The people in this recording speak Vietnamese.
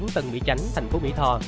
tầng mỹ tránh thành phố mỹ tho